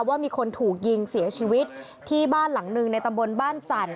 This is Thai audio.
ว่ามีคนถูกยิงเสียชีวิตที่บ้านหลังหนึ่งในตำบลบ้านจันทร์